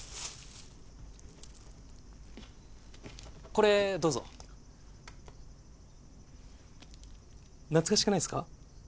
これどうぞ懐かしくないすか？